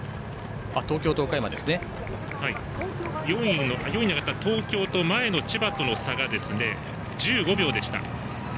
４位の東京と前の千葉との差が１５秒でした。